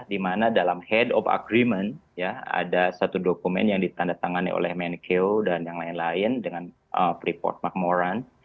di mana dalam head of agreement ada satu dokumen yang ditandatangani oleh menko dan yang lain lain dengan freeport mcmoran